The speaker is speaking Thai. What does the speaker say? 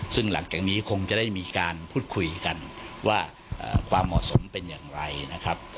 ซึ่งหลังจากนี้คงจะได้มีการพูดคุยกันว่าความเหมาะสมเป็นอย่างไรนะครับ